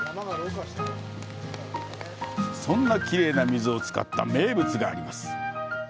そんなきれいな水を使った名物があります。